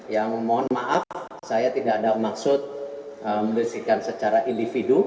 yang mohon maaf saya tidak ada maksud menuliskan secara individu